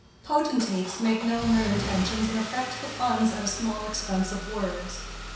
_ Potentates make known their intentions and affect the funds at a small expense of words.